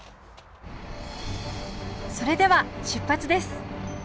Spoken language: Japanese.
それでは出発です！